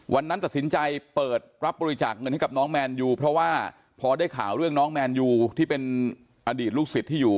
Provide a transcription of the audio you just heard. วันนั้นตัดสินใจเปิดรับบริจาคเงินให้กับน้องแมนยูเพราะว่าพอได้ข่าวเรื่องน้องแมนยูที่เป็นอดีตลูกศิษย์ที่อยู่